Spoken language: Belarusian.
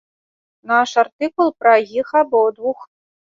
Наш артыкул пра іх абодвух.